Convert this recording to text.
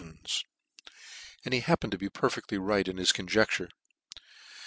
389 " fions ," and he happened to be perfectly right in his conjecture.